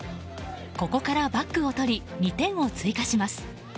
ここからバックを取り２点を追加します。